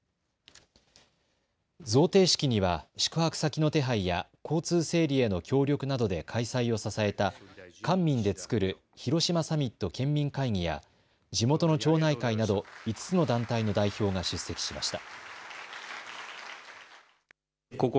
贈呈式には宿泊先の手配や交通整理への協力などで開催を支えた官民で作る広島サミット県民会議や地元の町内会など５つの団体の代表が出席しました。